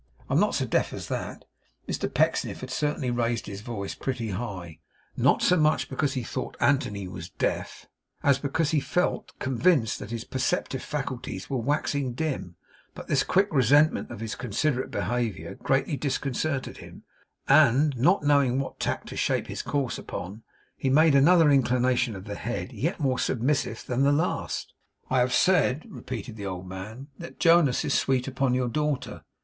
'I'm not so deaf as that.' Mr Pecksniff had certainly raised his voice pretty high; not so much because he thought Anthony was deaf, as because he felt convinced that his perceptive faculties were waxing dim; but this quick resentment of his considerate behaviour greatly disconcerted him, and, not knowing what tack to shape his course upon, he made another inclination of the head, yet more submissive that the last. 'I have said,' repeated the old man, 'that Jonas is sweet upon your daughter.